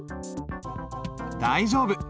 大丈夫。